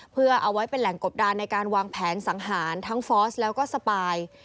เพื่อเอาไว้เป็นแหล่งกบดานในการวางแผนสังหารทั้งฟอสแล้วก็สปาย